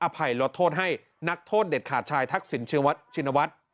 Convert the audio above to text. ภัยลดโทษให้นักโทษเด็ดขาดชายทักษิณชินวัฒน์